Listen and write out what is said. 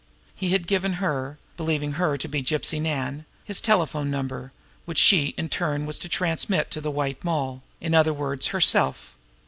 He had given her, believing her to be Gypsy Nan, his telephone number, which she, in turn, was to transmit to the White Moll in other words, herself!